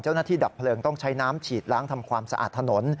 ดับเพลิงต้องใช้น้ำฉีดล้างทำความสะอาดถนน